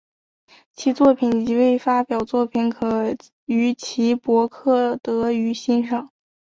其作品及未发表作品可于其博客得于欣赏。